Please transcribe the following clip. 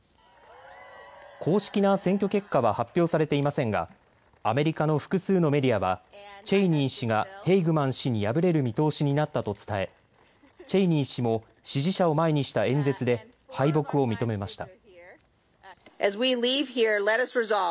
公式な選挙結果は発表されていませんがアメリカの複数のメディアはチェイニー氏がヘイグマン氏に敗れる見通しになったと伝え、チェイニー氏も支持者を前にした演説で敗北を認めました。